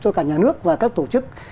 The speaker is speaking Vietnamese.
cho cả nhà nước và các tổ chức